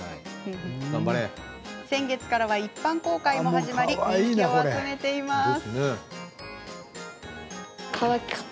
先月からは一般公開も始まり人気を集めています。